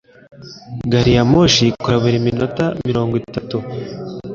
Gari ya moshi ikora buri minota mirongo itatu.